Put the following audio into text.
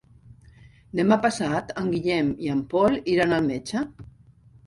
Demà passat en Guillem i en Pol iran al metge.